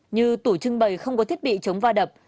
như tủ trưng bày không có thiết bị chống va đập